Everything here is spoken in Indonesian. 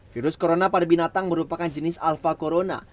virus corona pada binatang merupakan jenis alfa corona